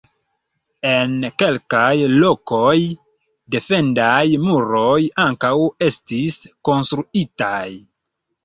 En kelkaj lokoj, defendaj muroj ankaŭ estis konstruitaj.